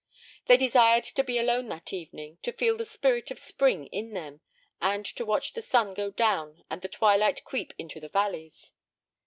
They desired to be alone that evening, to feel the spirit of spring in them, and to watch the sun go down and the twilight creep into the valleys.